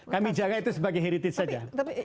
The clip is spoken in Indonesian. kami jaga itu sebagai heritage saja